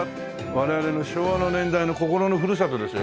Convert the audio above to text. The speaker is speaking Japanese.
我々の昭和の年代の心のふるさとですよ。